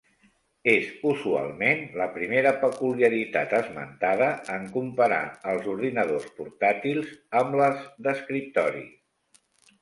És usualment la primera peculiaritat esmentada en comparar els ordinadors portàtils amb les d'escriptori.